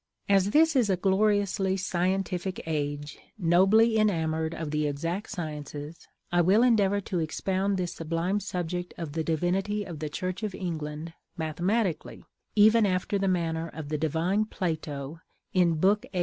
As this is a gloriously scientific age, nobly enamored of the exact sciences, I will endeavor to expound this sublime subject of the divinity of the Church of England mathematically, even after the manner of the divine Plato in Book VIII.